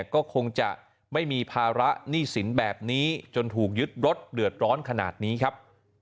ก็คงจะไม่มีภาระหนี้สินแบบนี้จนถูกยึดรถเดือดร้อนขนาดนี้ครับ